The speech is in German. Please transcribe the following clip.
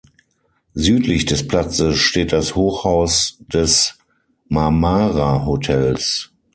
Südlich des Platzes steht das Hochhaus des Marmara-Hotels.